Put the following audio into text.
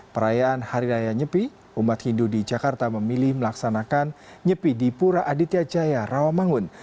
perayaan hari raya nyepi umat hindu di jakarta memilih melaksanakan nyepi di pura aditya jaya rawamangun